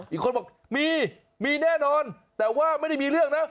อีกคนบอกมีมีแน่นอนแต่ว่าไม่ได้มีเรื่องนะ